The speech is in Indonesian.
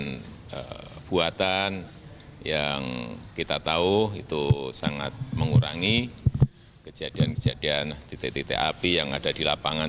dan pembuatan yang kita tahu itu sangat mengurangi kejadian kejadian titik titik api yang ada di lapangan